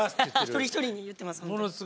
一人一人に言ってます。